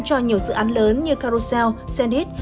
cho nhiều dự án lớn như carousel sendit